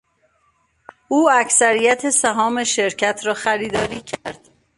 او اکثریت سهام شرکت را خریداری کرد.